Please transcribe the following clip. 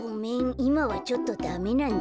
いまはちょっとダメなんだ。